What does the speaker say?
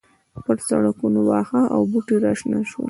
پر سړکونو واښه او بوټي راشنه شول.